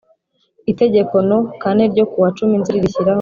Itegeko no kane ryo ku wacumi nzeri rishyiraho